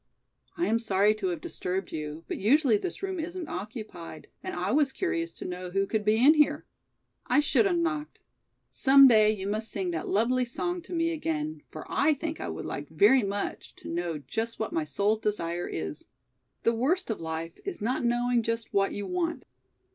"I am sorry to have disturbed you, but usually this room isn't occupied and I was curious to know who could be in here. I should have knocked. Some day you must sing that lovely song to me, again, for I think I would like very much to know just what my soul's desire is. The worst of life is not knowing just what you want."